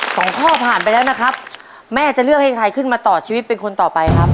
สองข้อผ่านไปแล้วนะครับแม่จะเลือกให้ใครขึ้นมาต่อชีวิตเป็นคนต่อไปครับ